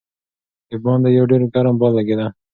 د باندې یو ډېر ګرم باد لګېده.